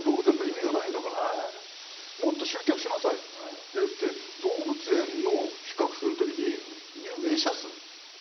「もっと集客しなさい」っていって動物園の比較する時に入園者数。